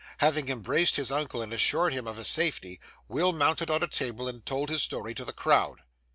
Having embraced his uncle and assured him of his safety, Will mounted on a table and told his story to the crowd.